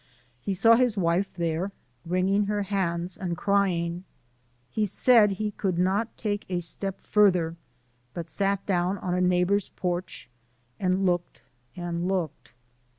He saw his wife there wringing her hands and crying. He said he could not take a step further, but sat down on a neighbour's porch and looked and looked.